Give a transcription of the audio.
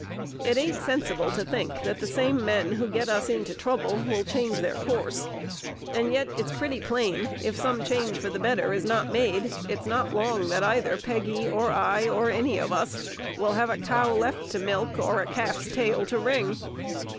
It ain't sensible to think that the same men who get us into trouble will change their course; and yet it's pretty plain, if some change for the better is not made, it's not long that either Peggy or I, or any of us, will have a cow left to milk, or a calf's tail to wring.